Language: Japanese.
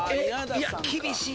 いや厳しい。